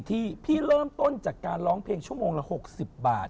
พี่พี่เริ่มต้นจากการร้องเพลงชั่วโมงละ๖๐บาท